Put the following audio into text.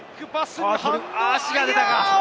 足が出たか？